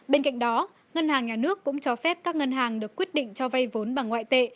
bên cạnh đó ngân hàng nhà nước cũng cho phép các ngân hàng được quyết định cho vay vốn bằng ngoại tệ